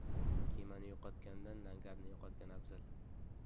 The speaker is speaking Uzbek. • Kemani yo‘qotgandan langarni yo‘qotgan afzal.